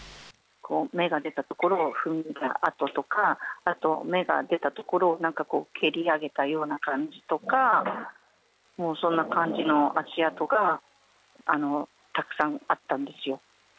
芽が出たところを踏んでた跡とか、あと芽が出たところをなんかこう、蹴り上げたような感じとか、もう、そんな感じの足跡がたくさんあったんですよ。